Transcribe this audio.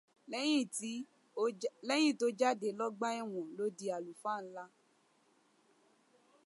Lẹ́yìn tó jáde lọ́gbà ẹ̀wọ̀n ló di alùfáà ńlá.